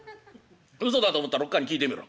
うそだと思ったらおっ母に聞いてみろ。